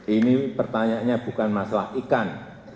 ini pertanyaannya bukan masalah ikan